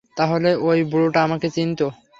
তাহলে ওই বুড়োটা আমাকে চিনতো?